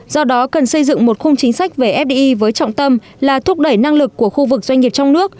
do đó cần xây dựng một khung chính sách về fdi với trọng tâm là thúc đẩy năng lực của khu vực doanh nghiệp trong nước